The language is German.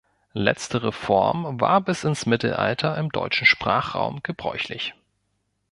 Letztere Form war bis ins Mittelalter im deutschen Sprachraum gebräuchlich.